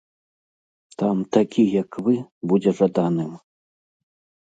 Там такі, як вы, будзе жаданым.